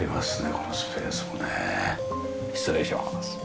このスペースもね。失礼します。